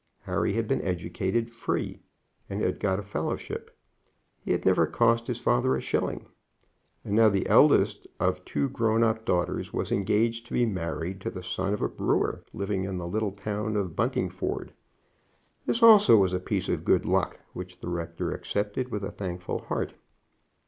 Harry had been educated free, and had got a fellowship. He had never cost his father a shilling. And now the eldest of two grown up daughters was engaged to be married to the son of a brewer living in the little town of Buntingford. This also was a piece of good luck which the rector accepted with a thankful heart.